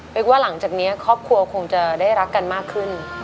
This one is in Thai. กว่าหลังจากนี้ครอบครัวคงจะได้รักกันมากขึ้น